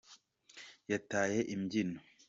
Yataye ibyino?